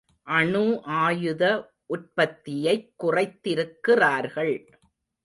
அணு ஆயுத உற்பத்தியைக் குறைத்திருக்கிறார்கள்.